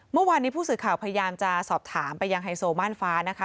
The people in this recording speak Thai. เมื่อวานนี้ผู้สื่อข่าวพยายามจะสอบถามไปยังไฮโซม่านฟ้านะคะ